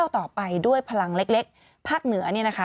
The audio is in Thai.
ต่อไปด้วยพลังเล็กภาคเหนือ